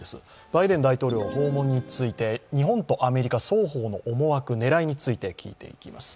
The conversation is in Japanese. バイデン大統領訪問について日本とアメリカ双方の思惑狙いについて聞いていきます。